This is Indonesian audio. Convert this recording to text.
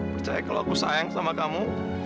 percaya kalau aku sayang sama kamu